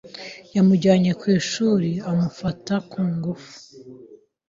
yamujyanye ku ishuri amufata ku ngufu